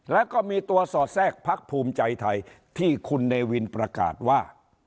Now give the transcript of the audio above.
แล้วก็มีตัวสอดแทรกพักภูมิใจไทยที่คุณเนวินประกาศว่า